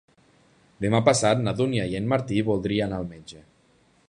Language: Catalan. Demà passat na Dúnia i en Martí voldria anar al metge.